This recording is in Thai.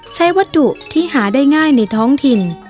ใช้วัตถุที่หาได้ง่ายในท้องถิ่น